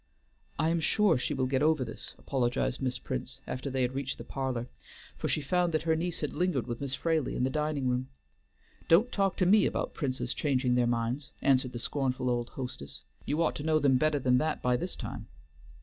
"I am sure she will get over this," apologized Miss Prince, after they had reached the parlor, for she found that her niece had lingered with Miss Fraley in the dining room. "Don't talk to me about the Princes changing their minds," answered the scornful old hostess. "You ought to know them better than that by this time."